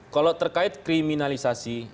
kalau terkait kriminalisasi